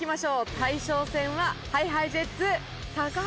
大将戦はＨｉＨｉＪｅｔｓ橋